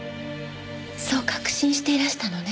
そう確信していらしたのね？